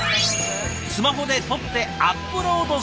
スマホで撮ってアップロードするだけ。